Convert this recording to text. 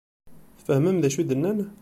Tfehmem d acu i d-nnan?